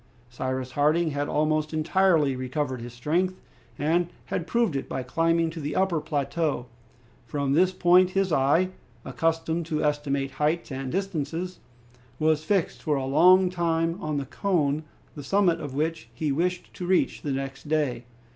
Cyrus Harding had almost entirely recovered his strength, and had proved it by climbing to the upper plateau. From this point his eye, accustomed to estimate heights and distances, was fixed for a long time on the cone, the summit of which he wished to reach the next day.